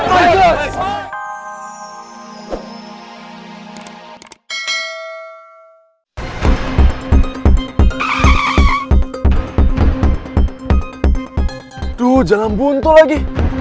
aduh jangan buntu lagi